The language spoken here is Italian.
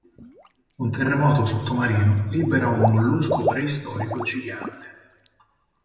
Un terremoto sottomarino libera un mollusco preistorico gigante.